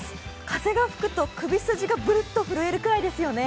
風が吹くと首筋がぶるっと震えるぐらいですよね。